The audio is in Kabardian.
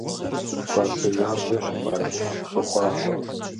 Гуащэ ябгэ щымыӀэжыну сохъуахъуэ!